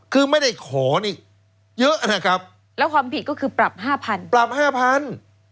คือไม่ได้ขอนี่เยอะนะครับแล้วความผิดก็คือปรับ๕๐๐๐บาท